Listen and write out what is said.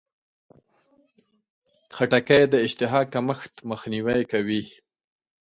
خټکی د اشتها کمښت مخنیوی کوي.